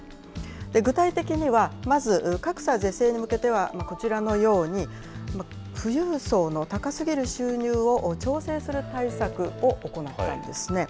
具体的には、まず、格差是正に向けては、こちらのように、富裕層の高すぎる収入を調整する対策を行ったんですね。